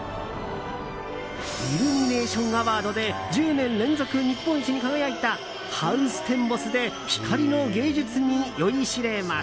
イルミネーションアワードで１０年連続日本一に輝いたハウステンボスで光の芸術に酔いしれます。